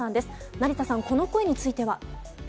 成田さん、この声については。